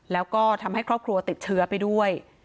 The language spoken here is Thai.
แล้วก็ทำให้ครอบครัวติดเชื้อไปด้วย